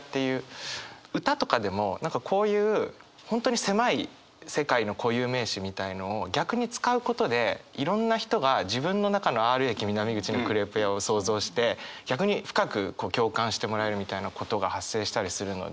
歌とかでもこういう本当に狭い世界の固有名詞みたいのを逆に使うことでいろんな人が自分の中の「Ｒ駅南口のクレープ屋」を想像して逆に深く共感してもらえるみたいなことが発生したりするので。